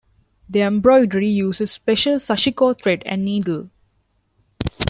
The embroidery uses special sashiko thread and needle.